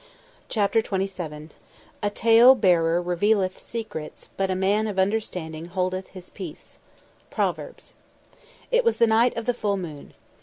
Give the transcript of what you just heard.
CHAPTER XXVII "A tale bearer revealeth secrets; but a man of understanding holdeth his peace." PROVERBS. It was the night of the full moon.